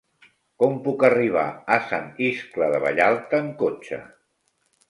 Com puc arribar a Sant Iscle de Vallalta amb cotxe?